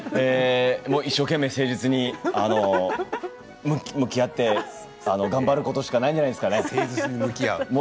一生懸命誠実に向き合って頑張ることしかないんじゃないでしょうかね。